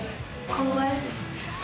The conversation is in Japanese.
香ばしい。